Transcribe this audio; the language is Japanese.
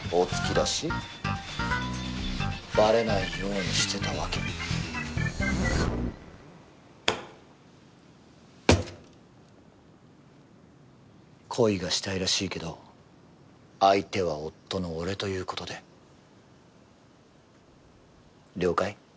バレないようにしてたわけ恋がしたいらしいけど相手は夫の俺ということで了解？